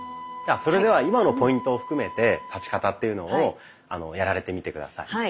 それでは今のポイントを含めて立ち方というのをやられてみて下さい。